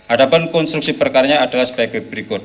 ada pun konstruksi perkaranya adalah sebagai berikut